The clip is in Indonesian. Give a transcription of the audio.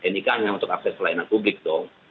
nik hanya untuk akses pelayanan publik dong